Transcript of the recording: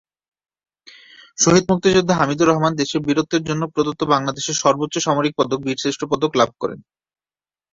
শহীদ মুক্তিযোদ্ধা হামিদুর রহমান দেশের বীরত্বের জন্য প্রদত্ত বাংলাদেশের সর্বোচ্চ সামরিক পদক, বীরশ্রেষ্ঠ পদক লাভ করেন।